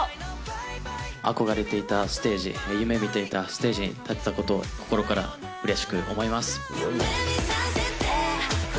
憧れていたステージ、夢みていたステージに立てたことを心からうれしく思います。